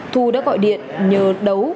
thu đã gọi điện nhờ đấu